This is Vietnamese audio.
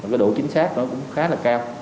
cái độ chính xác nó cũng khá là cao